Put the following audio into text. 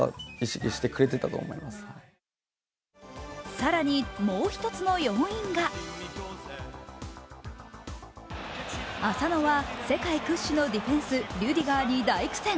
更にもう一つの要因が浅野は世界屈指のディフェンス、リュディガーに大苦戦。